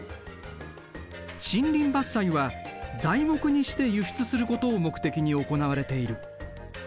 森林伐採は材木にして輸出することを目的に行われている。